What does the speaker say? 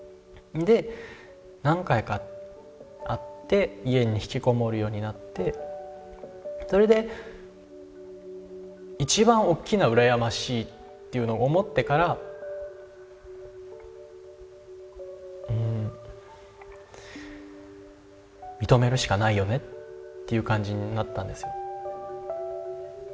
で何回かあって家に引きこもるようになってそれで一番大きなうらやましいっていうのを思ってから認めるしかないよねっていう感じになったんですよ。